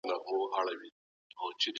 نفسي خواهشات نه پالل کېږي.